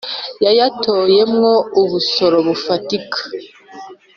yayatoye mwo ubusoro bufatika